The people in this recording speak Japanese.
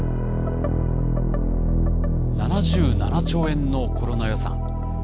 ７７兆円のコロナ予算。